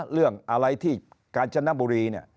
เรื่องอะไรที่กาญจนบุรี